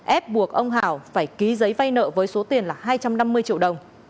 ép buộc ông hảo phải ký giấy vay nợ với số tiền là hai trăm năm mươi triệu đồng